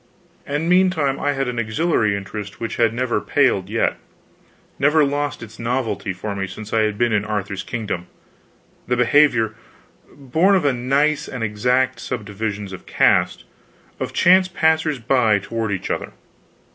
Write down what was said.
And meantime I had an auxiliary interest which had never paled yet, never lost its novelty for me since I had been in Arthur's kingdom: the behavior born of nice and exact subdivisions of caste of chance passers by toward each other.